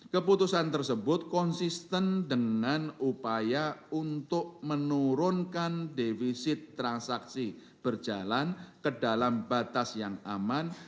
keputusan tersebut konsisten dengan upaya untuk menurunkan defisit transaksi berjalan ke dalam batas yang aman